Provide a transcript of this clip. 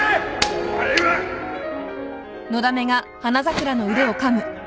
お前は！あっ！